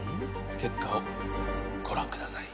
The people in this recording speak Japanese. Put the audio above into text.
結果をご覧ください。